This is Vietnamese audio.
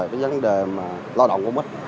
vấn đề lo động của mít